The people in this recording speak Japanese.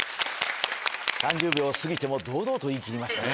３０秒を過ぎても堂々と言い切りましたね